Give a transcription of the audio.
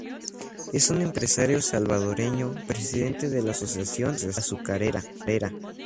Es un empresario salvadoreño, presidente de la Asociación Azucarera.